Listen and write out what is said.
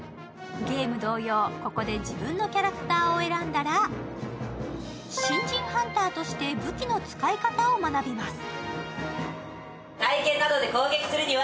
ゲーム同様、ここで自分のキャラクターを選んだら、新人ハンターとして武器の使い方を学びます。